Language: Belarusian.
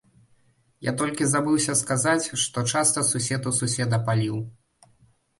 Я толькі забыўся сказаць, што часта сусед у суседа паліў.